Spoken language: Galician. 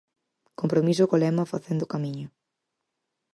Compromiso Co lema Facendo Camiño.